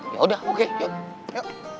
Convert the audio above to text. yaudah oke yuk